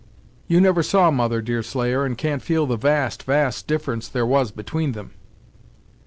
You never saw mother, Deerslayer, and can't feel the vast, vast difference there was between them!"